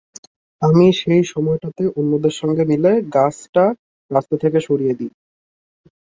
আমি সেই সময়টাতে অন্যদের সঙ্গে মিলে গাছটা রাস্তা থেকে সরিয়ে দিই।